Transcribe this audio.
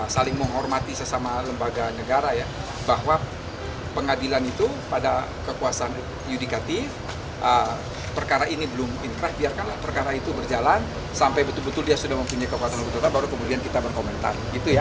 saling menghormati sesama lembaga negara ya bahwa pengadilan itu pada kekuasaan yudikatif perkara ini belum inkrah biarkanlah perkara itu berjalan sampai betul betul dia sudah mempunyai kekuatan hukum tetap baru kemudian kita berkomentar